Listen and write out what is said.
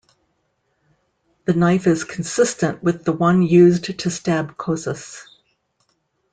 The knife is consistent with the one used to stab Kocis.